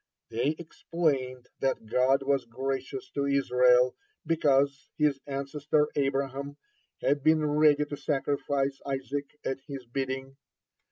They explained that God was gracious to Israel, because his ancestor Abraham had been ready to sacrifice Isaac at His bidding.